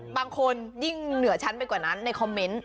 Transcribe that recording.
บางคนยิ่งเหนือชั้นไปกว่านั้นในคอมเมนต์